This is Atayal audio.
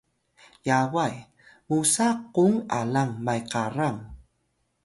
Yaway: musa kung alang Maykarang